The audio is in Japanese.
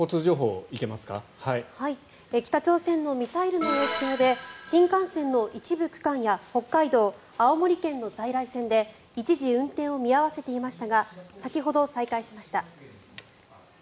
北朝鮮のミサイルの影響で新幹線の一部区間や北海道、青森県の在来線で一時運転を見合わせていましたが先ほど再開しました。